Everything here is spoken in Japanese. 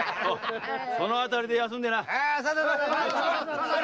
その辺りで休んでな！